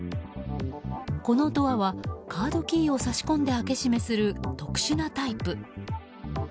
このドアはカードキーを挿し込んで開け閉めする特殊なタイプ。